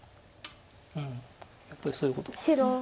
やっぱりそういうことなんです。